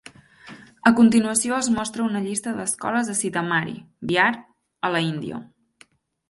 A continuació es mostra una llista d'escoles a Sitamarhi, Bihar, a la Índia.